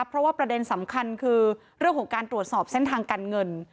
เพราะว่าประเด็นสำคัญคือเรื่องของการตรวจสอบเส้นทางการเงิน